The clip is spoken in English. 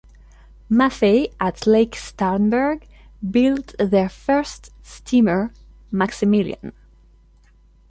Maffei, at Lake Starnberg, built their first steamer "Maximilian".